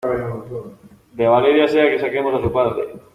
de Valeria sea que saquemos a su padre